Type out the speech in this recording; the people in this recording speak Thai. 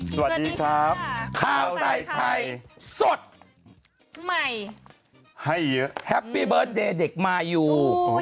สวัสดีครับข้าวใส่ไข่สดใหม่ให้เยอะแฮปปี้เบิร์ตเดย์เด็กมายู